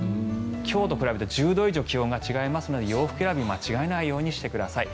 今日と比べて１０度以上気温が違いますので洋服選び間違えないようにしてください。